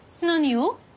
何を？